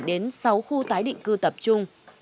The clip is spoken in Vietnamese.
đến sáu khu tái định cư tập trung